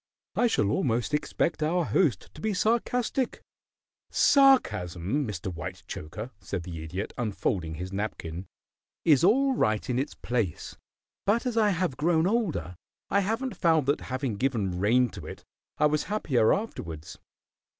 "I shall almost expect our host to be sarcastic." "Sarcasm, Mr. Whitechoker," said the Idiot, unfolding his napkin, "is all right in its place, but as I have grown older I haven't found that having given rein to it I was happier afterwards.